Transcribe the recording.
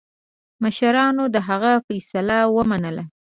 مشرانو د هغه فیصله ومنله.